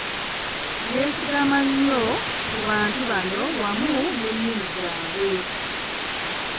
Yeesigamanga nnyo ku bantu bano wamu n'ennimi zaabwe.